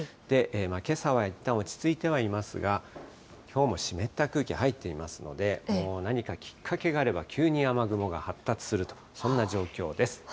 けさはいったん落ち着いてはいますが、きょうも湿った空気入っていますので、何かきっかけがあれば、急に雨雲が発達すると、そんな状況です。